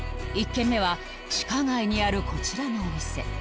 １軒目は地下街にあるこちらのお店